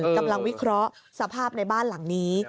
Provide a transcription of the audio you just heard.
กำลังวิเคราะห์สภาพในบ้านหลังนี้